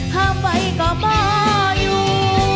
หว่าก็บ่อยู่